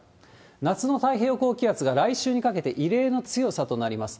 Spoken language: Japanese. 夏の太平洋高気圧が来週にかけて異例の強さとなります。